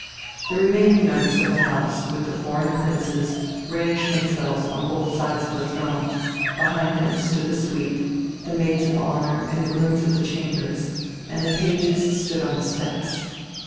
The remaining members of the House, with the foreign princes, ranged themselves on both sides of the throne; behind them stood the suite, the maids of honour and the grooms of the chambers, and the pages stood on the steps.